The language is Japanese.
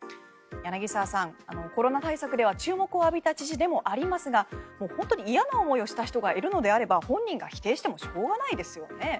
柳澤さん、コロナ対策では注目を浴びた知事ではありますがもう本当に嫌な思いをした人がいるのであれば本人が否定してもしょうがないですよね。